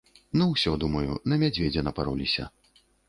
Ну ўсё, думаю, на мядзведзя напароліся.